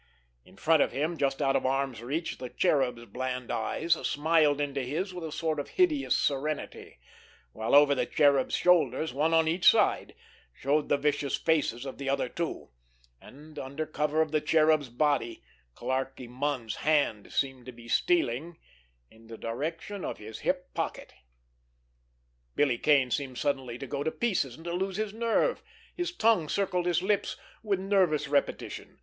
In front of him, just out of arm's reach, the Cherub's bland eyes smiled into his with a sort of hideous serenity; while over the Cherub's shoulders, one on each side, showed the vicious faces of the other two—and, under cover of the Cherub's body, Clarkie Munn's hand seemed to be stealing in the direction of his hip pocket. Billy Kane seemed suddenly to go to pieces and to lose his nerve. His tongue circled his lips with nervous repetition.